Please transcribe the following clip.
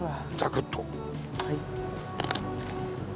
はい。